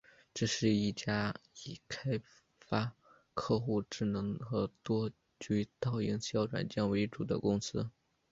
这是一家以开发客户智能和多渠道营销软件为主的公司。